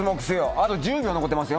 あと１０秒残ってますよ。